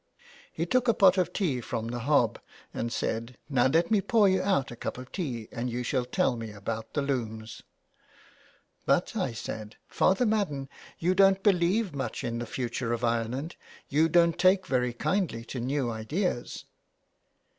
'' He took a pot of tea from the hob, and said :—" Now let me pour you out a cup of tea, and you shall tell me about the looms." " But," I said, '' Father Madden, you don't believe much in the future of Ireland, you don't take very kindly to new ideas."